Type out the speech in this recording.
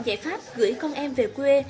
giải pháp gửi con em về quê